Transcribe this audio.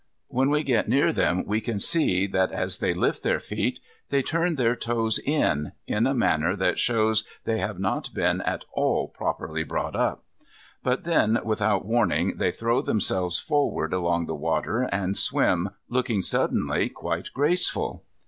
When we get near them we can see that as they lift their feet they turn their toes in in a manner that shows they have not been at all properly brought up. But then without warning they throw themselves forward along the water, and swim, looking, suddenly, quite graceful.